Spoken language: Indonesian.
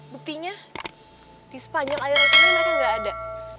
buktinya di sepanjang aliran sungai mereka tidak ada